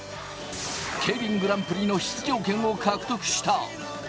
ＫＥＩＲＩＮグランプリの出場権を獲得した。